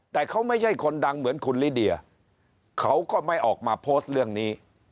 แต่เขาไม่ใช่คนดังเหมือนคุณลิเดียเขาก็ไม่ออกมาโพสต์เรื่องนี้